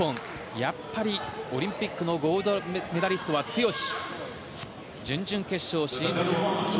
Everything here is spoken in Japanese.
やはりオリンピックのゴールドメダリストは強し。